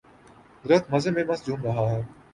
درخت مزے میں مست جھوم رہا ہے